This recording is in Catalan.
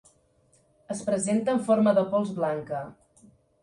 Es presenta en forma de pols blanca.